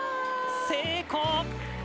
成功！